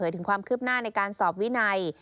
เปิดเผยถึงความคืบหน้าในการสอบวินัย